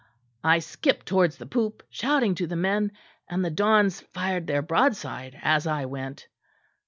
I skipped towards the poop, shouting to the men; and the dons fired their broadside as I went.